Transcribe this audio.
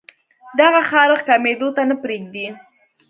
دغه خارښ کمېدو ته نۀ پرېږدي